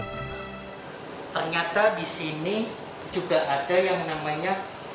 hai ternyata disini juga ada yang namanya